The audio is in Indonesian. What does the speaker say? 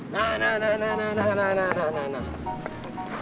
nah nah nah nah nah nah nah nah nah nah nah